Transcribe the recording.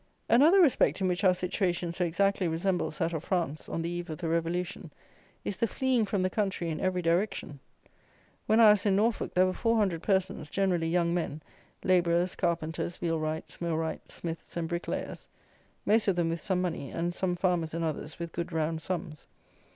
Another respect in which our situation so exactly resembles that of France on the eve of the Revolution is the fleeing from the country in every direction. When I was in Norfolk there were four hundred persons, generally young men, labourers, carpenters, wheelwrights, millwrights, smiths, and bricklayers; most of them with some money, and some farmers and others with good round sums.